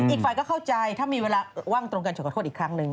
อีกไปก็เข้าใจถ้ามีเวลาว่างจอกกันแล้วก็ขอโทษอีกครั้งหนึ่ง